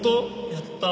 やったー！